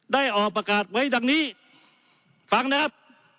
ได้ออกประกาศไว้ดังนี้ฟังนะครับ